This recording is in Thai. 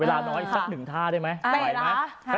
เวลาน้อยอีกสักหนึ่งท่าได้ไหมไหวไหม